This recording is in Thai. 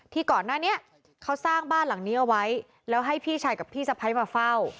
ก่อนหน้านี้เขาสร้างบ้านหลังนี้เอาไว้แล้วให้พี่ชายกับพี่สะพ้ายมาเฝ้า